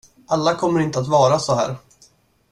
Alla kommer inte att vara så här.